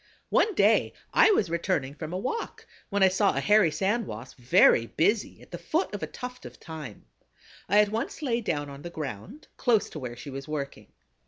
One day I was returning from a walk when I saw a Hairy Sand Wasp very busy at the foot of a tuft of thyme. I at once lay down on the ground, close to where she was working.